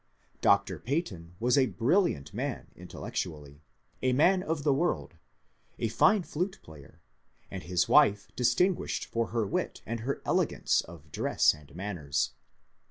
Dr. Peyton was a brilliant man intellectually, a man of the world, a fine flute player, and his wife distinguished for her wit and her elegance of dress and manners.